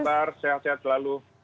sabar sehat sehat selalu